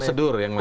prosedur yang lain